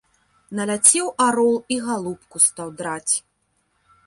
Наляцеў арол і галубку стаў драць.